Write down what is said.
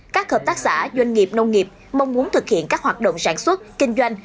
các hợp tác xã doanh nghiệp nông nghiệp mong muốn thực hiện các hoạt động sản xuất kinh doanh